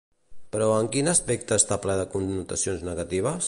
Però en quin aspecte està ple de connotacions negatives?